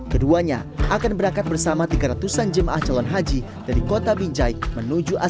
keduanya akan berangkat bersama tiga ratus an jemaah calon haji dari kota binjai menuju asrama